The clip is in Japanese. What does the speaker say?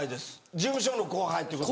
事務所の後輩ってこと。